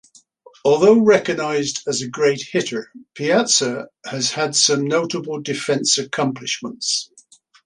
Although recognized as a great hitter, Piazza has had some notable defensive accomplishments.